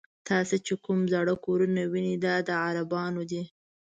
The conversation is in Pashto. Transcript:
تاسې چې کوم زاړه کورونه وینئ دا د عربانو دي.